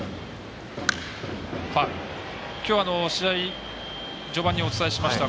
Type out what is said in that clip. きょうの試合序盤にお伝えしました